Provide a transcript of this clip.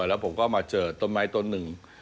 แล้วผมก็มาเจอต้นไม้ต้นหนึ่ง